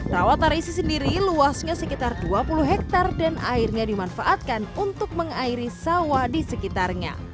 rawat tarisi sendiri luasnya sekitar dua puluh hektare dan airnya dimanfaatkan untuk mengairi sawah di sekitarnya